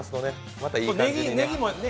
またいい。